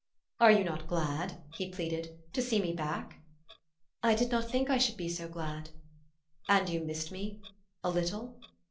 "Are you not glad," he pleaded, "to see me back?" " I did not think I should be so glad." '' And j'ou missed me a little